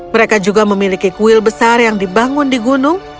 mereka juga memiliki kuil besar yang dibangun di gunung